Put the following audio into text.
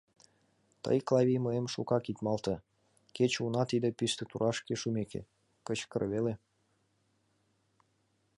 Тый, Клавий, мыйым шукак ит малте: кече уна тиде писте турашке шумеке, кычкыре веле.